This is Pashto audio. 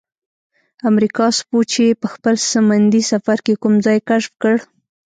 امریکا سپوچي په خپل سمندي سفر کې کوم ځای کشف کړ؟